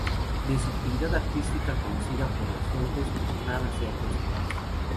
De su actividad artística, conocida por las fuentes, nada se ha conservado.